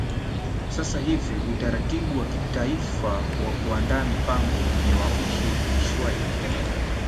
Sasa hivi utaratibu wa kitaifa wa kuandaa mipango ni wa ushirikishwaji